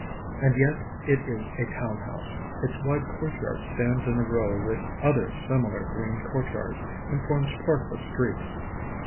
And yet it is a town house. Its wide courtyard stands in a row with other similar green courtyards, and forms part of a street.